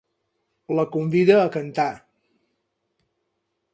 La convida a cantar.